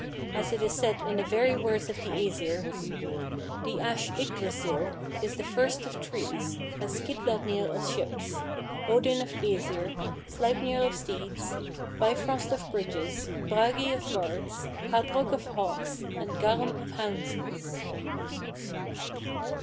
As it is said in the very words of the Æsir: "'The ash Yggdrasill Is the first of trees, As Skidbladnir of ships, Odin of Æsir, Sleipnir of steeds, Bifrost of bridges, Bragi of bards, Habrok of hawks, And Garm of hounds is.'